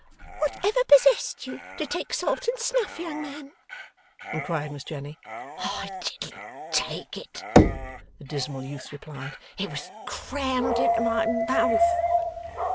'What ever possessed you to take salt and snuff, young man?' inquired Miss Jenny. 'I didn't take it,' the dismal youth replied. 'It was crammed into my mouth.